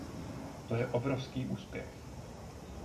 To je obrovský úspěch.